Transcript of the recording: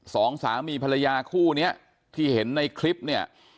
สองสามีภรรยาคู่เนี้ยที่เห็นในคลิปเนี่ย